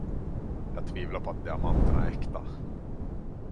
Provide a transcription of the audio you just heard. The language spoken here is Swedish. Jag tvivlar på att diamanterna är äkta.